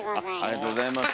ありがとうございます。